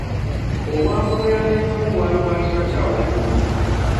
Obwangu bwe yateekamu bwali bwa kika kya waggulu.